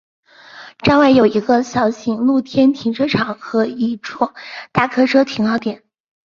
站外有一个小型露天停车场和一处大客车停靠点。